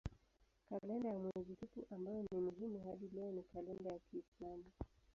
Kalenda ya mwezi tupu ambayo ni muhimu hadi leo ni kalenda ya kiislamu.